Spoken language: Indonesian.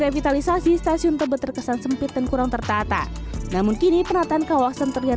revitalisasi stasiun tebet terkesan sempit dan kurang tertata namun kini penataan kawasan terlihat